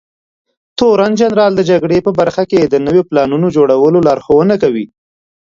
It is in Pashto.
تورنجنرال د جګړې په برخه کې د نويو پلانونو جوړولو لارښونه کوي.